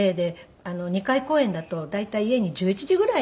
２回公演だと大体家に１１時ぐらいに。